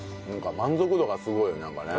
満足度がすごいよなんかね。